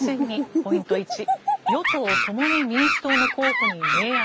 ポイント１、与党・共に民主党の候補に明暗。